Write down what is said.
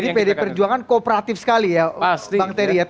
jadi pdi perjuangan kooperatif sekali ya bang terry